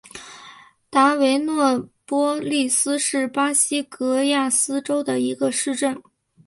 达维诺波利斯是巴西戈亚斯州的一个市镇。